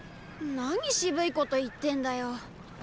何しぶいこと言ってんだよ。